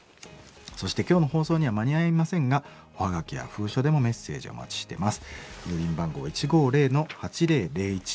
そして今日の放送には間に合いませんがおはがきや封書でもメッセージお待ちしてます。